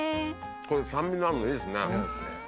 これ酸味のあるのいいですね。